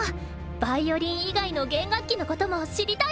ヴァイオリン以外の弦楽器のことも知りたいよね。